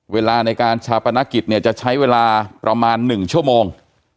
เวลาในการชาปนกิจเนี่ยจะใช้เวลาประมาณ๑ชั่วโมง